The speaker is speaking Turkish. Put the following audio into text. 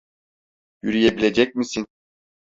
Yürüyebilecek misin?